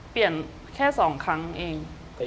เปลี่ยนแค่สองครั้งเอง